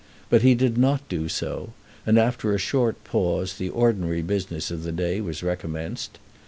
But he did not do so, and after a short pause the ordinary business of the day was recommenced.